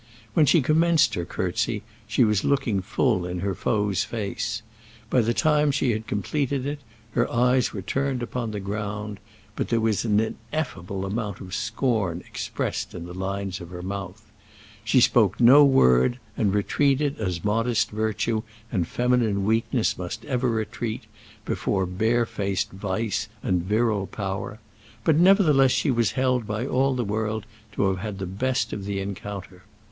When she commenced her curtsey she was looking full in her foe's face. By the time that she had completed it her eyes were turned upon the ground, but there was an ineffable amount of scorn expressed in the lines of her mouth. She spoke no word, and retreated, as modest virtue and feminine weakness must ever retreat, before barefaced vice and virile power; but nevertheless she was held by all the world to have had the best of the encounter.